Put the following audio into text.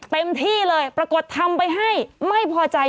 เต็มที่เลยปรากฏทำไปให้ไม่พอใจ